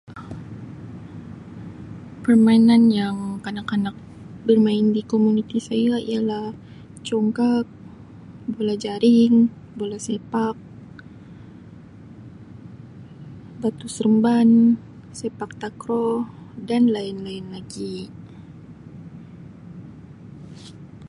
Permainan yang kanak-kanak bermain di komuniti saya ialah congkak, bola jaring, bola sepak, batu seremban , sepak takraw dan lain-lain lagi.